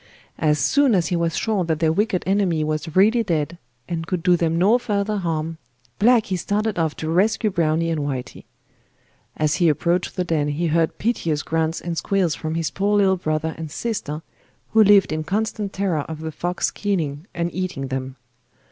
As soon as he was sure that their wicked enemy was really dead, and could do them no further harm, Blacky started off to rescue Browny and Whitey. As he approached the den he heard piteous grunts and squeals from his poor little brother and sister who lived in constant terror of the fox killing and eating them.